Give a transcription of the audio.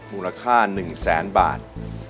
มูลค่า๑แสนบาท